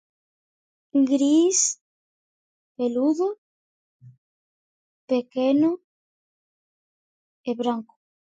Gris, peludo, pequeno e branco.